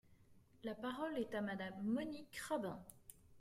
La parole est à Madame Monique Rabin.